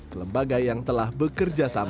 kelembagaan yang telah berkumpul dengan alat ini